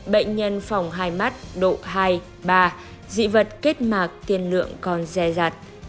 bệnh nhân phỏng hai mắt độ hai ba dị vật kết mạc tiền lượng còn dè dặt